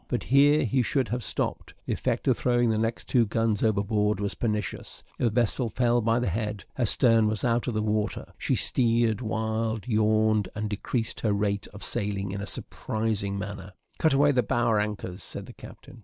But here he should have stopped; the effect of throwing the next two guns overboard was pernicious. The vessel fell by the head; her stern was out of the water; she steered wild, yawed, and decreased in her rate of sailing in a surprising manner. "Cut away the bower anchors," said the captain.